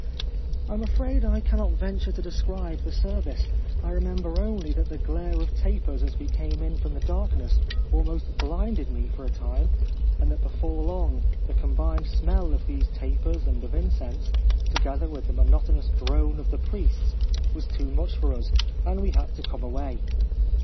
I am afraid I cannot venture to describe the ser vice. I remember only that the glare of tapers as we came in from the darkness almost blinded me for a time ; and that before long, the combined smell of these tapers and of incense, together with the mo notonous drone of the priests, was too much for us, and we had to come away.